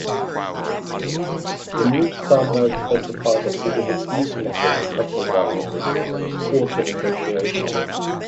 The new standard specified that gigabit Ethernet over copper wiring requires autonegotiation.